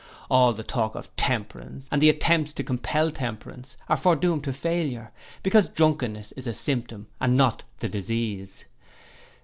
All the talk of Temperance, and the attempts to compel temperance, are foredoomed to failure, because drunkenness is a symptom, and not the disease.